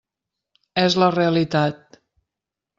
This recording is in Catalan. És la realitat.